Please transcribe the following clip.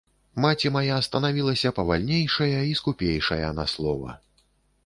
Маці мая станавілася павальнейшая і скупейшая на слова.